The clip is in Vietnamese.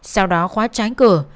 sau đó khóa trái cửa